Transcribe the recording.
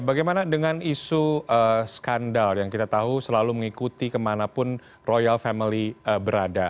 bagaimana dengan isu skandal yang kita tahu selalu mengikuti kemanapun royal family berada